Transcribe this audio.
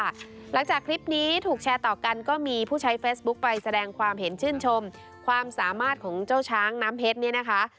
หลังจากคลิปนี้ถูกแชร์ต่อกันก็มีผู้ใช้เฟซบุ๊คไปแสดงความเห็นชื่นชมความสามารถของเจ้าช้างน้ำเพชรเนี่ยนะคะ